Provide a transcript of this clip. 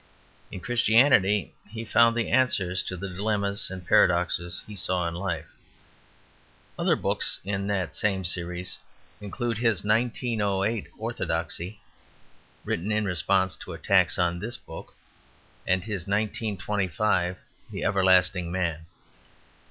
In Christianity he found the answers to the dilemmas and paradoxes he saw in life. Other books in that same series include his 1908 Orthodoxy (written in response to attacks on this book) and his 1925 The Everlasting Man.